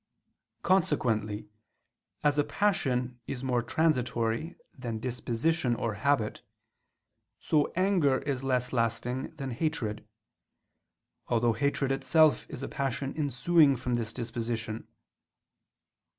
Consequently, as passion is more transitory than disposition or habit, so anger is less lasting than hatred; although hatred itself is a passion ensuing from this disposition.